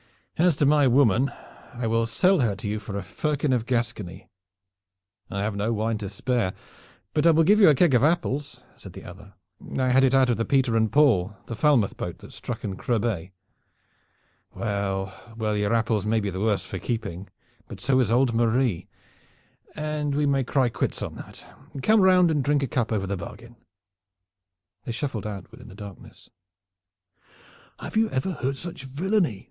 And as to my woman, I will sell her to you for a firkin of Gascony." "I have no wine to spare, but I will give you a keg of apples," said the other. "I had it out of the Peter and Paul, the Falmouth boat that struck in Creux Bay." "Well, well your apples may be the worse for keeping, but so is old Marie, and we can cry quits on that. Come round and drink a cup over the bargain." They shuffled onward in the darkness. "Heard you ever such villainy?"